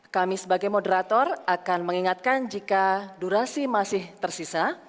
kami sebagai moderator akan mengingatkan jika durasi masih tersisa